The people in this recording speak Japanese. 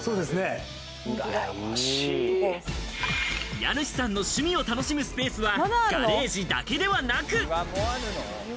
家主さんの趣味を楽しむスペースはガレージだけではなく。